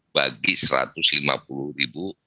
bagi satu ratus lima puluh ribu